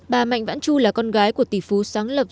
bà mạnh vãn chu là con gái của tỷ phú sáng lập